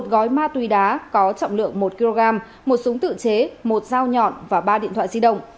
một gói ma túy đá có trọng lượng một kg một súng tự chế một dao nhọn và ba điện thoại di động